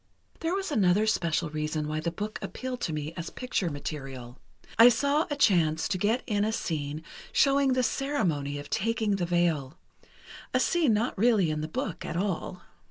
"There was another special reason why the book appealed to me as picture material: I saw a chance to get in a scene showing the ceremony of taking the veil—a scene not really in the book at all."